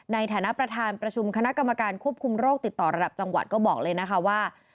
ในฐานะประธานประชุมคณะกรรมการควบคุมโรคติดต่อระดับจังหวัดก็บอกเลยนะคะว่า